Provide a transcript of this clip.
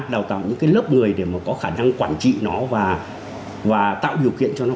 đào tạo những cái lớp người để mà có khả năng quản trị nó và tạo điều kiện cho nó